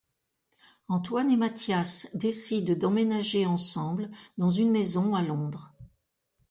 Antoine et Mathias décident d'emménager ensemble dans une maison, à Londres.